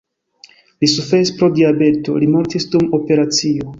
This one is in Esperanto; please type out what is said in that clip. Li suferis pro diabeto, li mortis dum operacio.